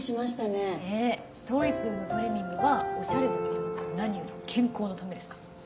トイプーのトリミングはおしゃれだけじゃなくて何より健康のためですから。